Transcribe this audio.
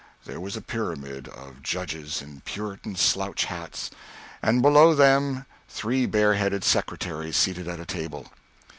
There was a pyramid of judges in Puritan slouch hats, and below them three bare headed secretaries seated at a table.